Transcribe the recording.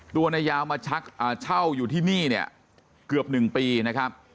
ตัวนายยาวมาเช่าอยู่ที่นี่เนี่ยเกือบ๑ปีนะครับ